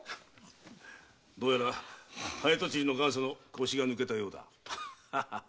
どうやら早とちりの元祖の腰が抜けたようだ。